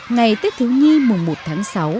ngày tết thiếu nhi mùng một tháng sáu